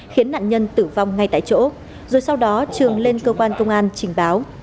khiến nạn nhân tử vong ngay tại chỗ rồi sau đó trường lên cơ quan công an trình báo